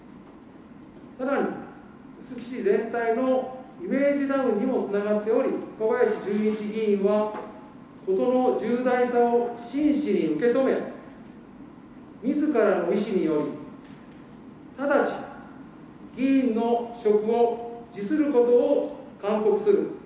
さらに臼杵市全体のイメージダウンにもつながっており、若林純一議員は事の重大さを真摯に受け止め、みずからの意思により、直ちに議員の職を辞することを勧告する。